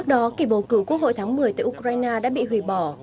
một kỳ bầu cử quốc hội tháng một mươi tại ukraine đã bị hủy bỏ